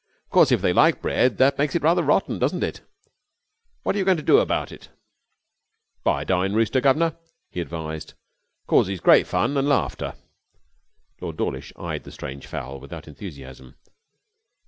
'Of course, if they like bread, that makes it rather rotten, doesn't it? What are you going to do about it?' 'Buy a dying rooster, guv'nor,' he advised. 'Causes great fun and laughter.' Lord Dawlish eyed the strange fowl without enthusiasm.